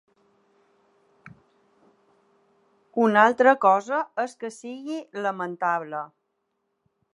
Una altra cosa és que sigui lamentable.